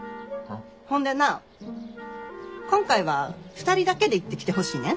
ほんでな今回は２人だけで行ってきてほしいねん。